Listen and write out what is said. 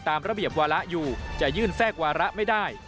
ตามระเบียบวาระอยู่จะยื่นแทรกวาระไม่ได้